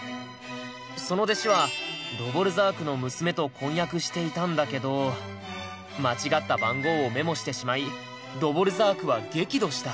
その弟子はドヴォルザークの娘と婚約していたんだけど間違った番号をメモしてしまいドヴォルザークは激怒した。